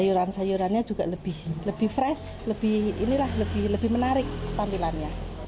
sayuran sayurannya juga lebih fresh lebih menarik tampilannya